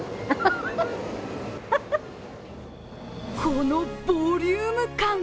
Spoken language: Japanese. このボリューム感。